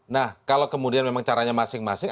nah kalau kemudian memang caranya masing masing